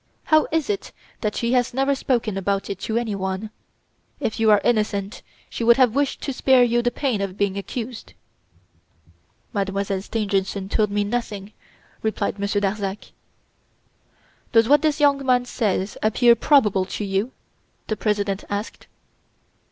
How is it that she has never spoken about it to anyone? If you are innocent, she would have wished to spare you the pain of being accused." "Mademoiselle Stangerson told me nothing," replied Monsieur Darzac. "Does what this young man says appear probable to you?" the President asked.